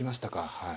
はい。